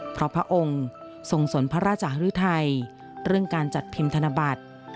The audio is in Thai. เพราะพระองค์ทรงสนพระราชหรือไทยเรื่องการจัดพิมพ์ธนบัตร